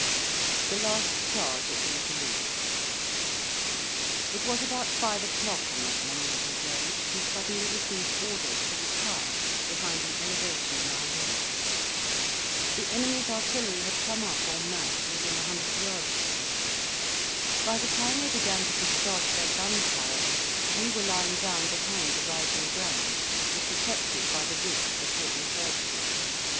THE LAST CHARGE AT WATERLOO It was about five o'clock on that memorable day, that we suddenly received orders to retire behind an elevation in our rear. The enemy's artillery had come up en masse within a hundred yards of us. By the time they began to discharge their guns, however, we were lying down behind the rising ground, and protected by the ridge before referred to.